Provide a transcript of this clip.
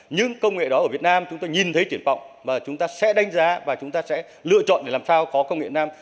nhưng công nghệ đó ở việt nam chúng ta nhìn thấy chuyển vọng và chúng ta sẽ đánh giá và chúng ta sẽ lựa chọn để làm sao có công nghệ việt nam